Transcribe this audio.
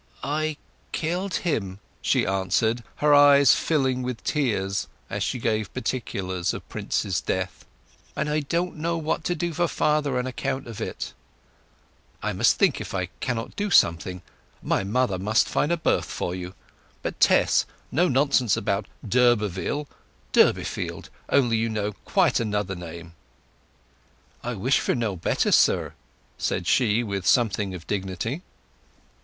"I—killed him!" she answered, her eyes filling with tears as she gave particulars of Prince's death. "And I don't know what to do for father on account of it!" "I must think if I cannot do something. My mother must find a berth for you. But, Tess, no nonsense about 'd'Urberville';—'Durbeyfield' only, you know—quite another name." "I wish for no better, sir," said she with something of dignity.